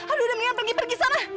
aduh udah mendingan pergi pergi sana